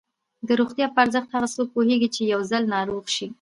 د روغتیا په ارزښت هغه څوک پوهېږي چې یو ځل ناروغ شي.